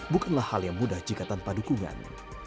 bukanlah hal yang mudah jika tanpa dukungan